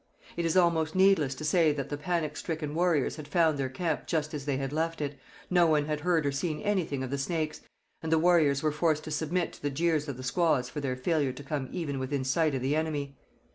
It is almost needless to say that the panic stricken warriors had found their camp just as they had left it; no one had heard or seen anything of the Snakes; and the warriors were forced to submit to the jeers of the squaws for their failure to come even within sight of the enemy.